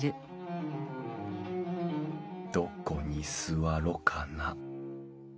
どこに座ろかな。